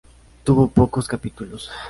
Tuvo pocos capítulos.